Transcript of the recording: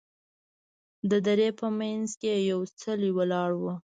د درې په منځ کې یې یو څلی ولاړ و.